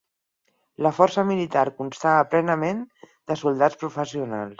La força militar constava plenament de soldats professionals.